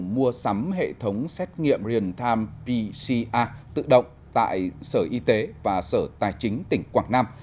mua sắm hệ thống xét nghiệm real time pcr tự động tại sở y tế và sở tài chính tỉnh quảng nam